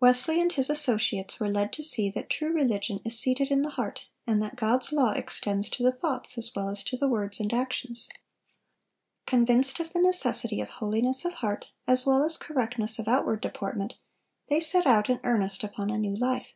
Wesley and his associates were led to see that true religion is seated in the heart, and that God's law extends to the thoughts as well as to the words and actions. Convinced of the necessity of holiness of heart, as well as correctness of outward deportment, they set out in earnest upon a new life.